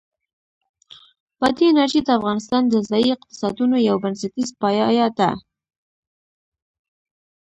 بادي انرژي د افغانستان د ځایي اقتصادونو یو بنسټیز پایایه دی.